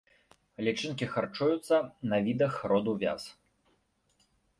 Лічынкі харчуюцца на відах роду вяз.